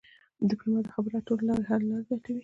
ډيپلومات د خبرو اترو له لارې حل لارې لټوي.